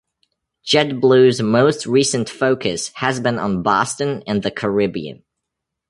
JetBlue's most recent focus has been on Boston and the Caribbean.